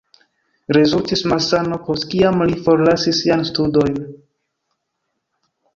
Rezultis malsano, post kiam li forlasis siajn studojn.